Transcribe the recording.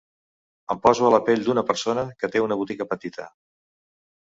Em poso a la pell d’una persona que té una botiga petita.